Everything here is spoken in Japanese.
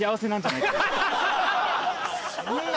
そんな。